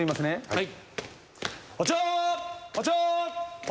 はい。